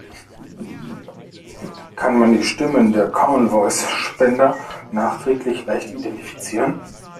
Kann man die Stimmen der Common Voice Spender nachträglich leicht identifizieren?